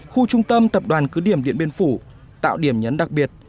khu trung tâm tập đoàn cứ điểm điện biên phủ tạo điểm nhấn đặc biệt